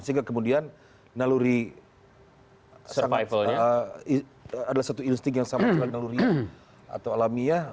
sehingga kemudian naluri adalah satu insting yang sama dengan naluria atau alamiah